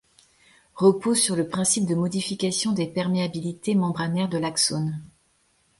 Repose sur le principe de modification des perméabilités membranaires de l'axone.